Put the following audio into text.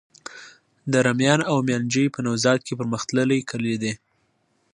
دره میان او ميانجوی په نوزاد کي پرمختللي کلي دي.